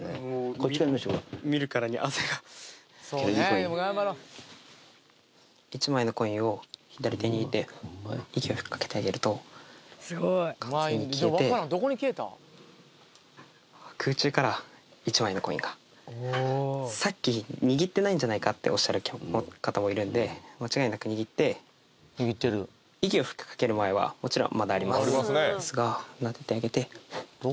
こっちから見せてもらって見るからに汗が１枚のコインを左手に握って息を吹きかけてあげると完全に消えて空中から１枚のコインがさっき握ってないんじゃないかっておっしゃる方もいるんで間違いなく握って息を吹きかける前はもちろんまだありますですがなでてあげてフッ！